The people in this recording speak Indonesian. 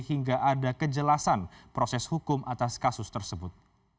hingga ada kejelasan proses hukum atas kasus tersebut